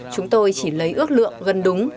chúng tôi chỉ lấy ước lượng gần đúng